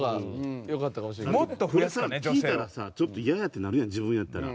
これさ聞いたらさちょっとイヤやってなるやん自分やったら。